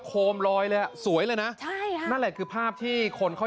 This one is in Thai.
โคมลอยเลยอ่ะสวยเลยนะใช่ค่ะนั่นแหละคือภาพที่คนเขา